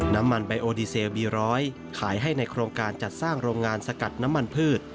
ไบโอดีเซลบีร้อยขายให้ในโครงการจัดสร้างโรงงานสกัดน้ำมันพืช